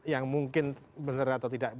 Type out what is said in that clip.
yang mungkin benar atau tidak